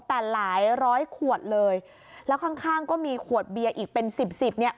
แต่หลายร้อยขวดเลยแล้วข้างข้างก็มีขวดเบียร์อีกเป็นสิบสิบเนี่ย